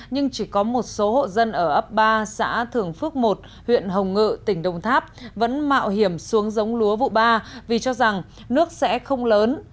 nhưng chỉ có một số hộ dân ở ấp ba xã thường phước một huyện hồng ngự tỉnh đồng tháp vẫn mạo hiểm xuống giống lúa vụ ba vì cho rằng nước sẽ không lớn